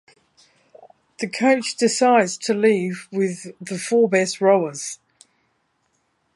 The coach decides to leave with the four best rowers.